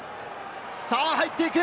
入っていく！